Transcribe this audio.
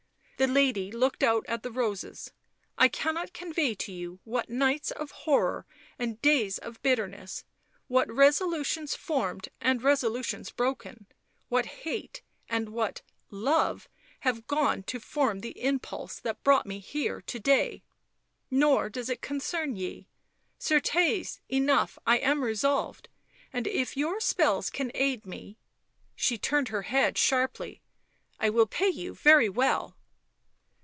The lady looked out at the roses. " I cannot convey to you what nights of horror and days of bitterness, what resolutions formed and resolutions broken — what hate, and what — love have gone to form the impulse that brought me here to day — nor does it concern ye; certes enough I am resolved, and if your spells can aid me " She turned her head sharply. " I will pay you very well."